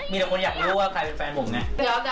มีแต่คนอยากรู้ว่าใครเป็นแฟนผมไง